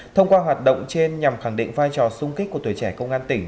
thông qua hoạt động trên nhằm khẳng định vai trò sung kích của tuổi trẻ công an tỉnh